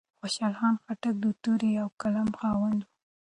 خوشال خان خټک د تورې او قلم خاوند و.